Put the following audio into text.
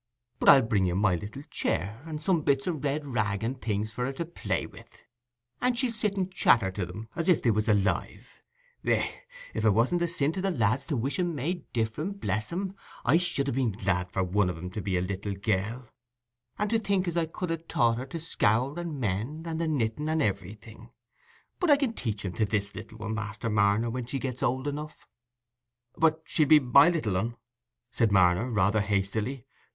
But I'll bring you my little chair, and some bits o' red rag and things for her to play wi'; an' she'll sit and chatter to 'em as if they was alive. Eh, if it wasn't a sin to the lads to wish 'em made different, bless 'em, I should ha' been glad for one of 'em to be a little gell; and to think as I could ha' taught her to scour, and mend, and the knitting, and everything. But I can teach 'em this little un, Master Marner, when she gets old enough." "But she'll be my little un," said Marner, rather hastily.